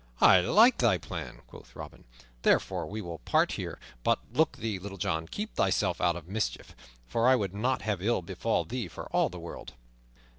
"I like thy plan," quoth Robin, "therefore we will part here. But look thee, Little John, keep thyself out of mischief, for I would not have ill befall thee for all the world."